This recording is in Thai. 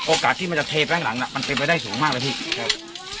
โอกาสที่มันจะเทแป้งหลังน่ะมันเป็นไปได้สูงมากเลยพี่ครับ